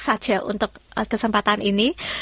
saja untuk kesempatan ini